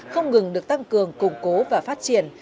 không ngừng được tăng cường củng cố và phát triển